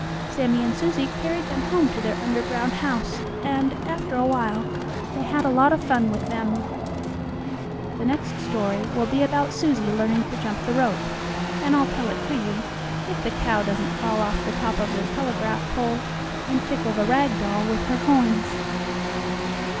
Sammie and Susie carried them home to their underground house, and, after a while, they had a lot of fun with them. The next story will be about Susie learning to jump the rope, and I'll tell it to you, if the cow doesn't fall off the top of the telegraph pole, and tickle the rag doll with her horns.